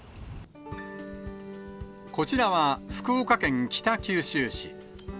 こちらは福岡県北九州市。